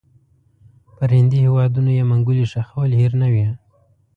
پر هندي هیوادونو یې منګولې ښخول هېر نه وي.